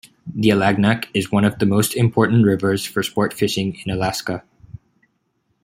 The Alagnak is one of the most important rivers for sport fishing in Alaska.